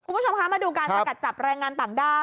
คุณผู้ชมคะมาดูการสกัดจับแรงงานต่างด้าว